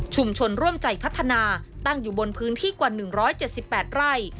ชุมชนร่วมใจพัฒนาตั้งอยู่บนพื้นที่กว่าหนึ่งร้อยเจ็ดสิบแปดไร่